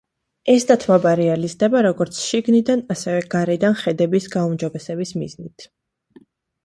ეს დათმობა რეალიზდება როგორც შიგნიდან ასევე გარედან ხედების გაუმჯობესების მიზნით.